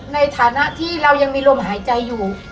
ในฐานะที่เรายังมีลมหายใจอยู่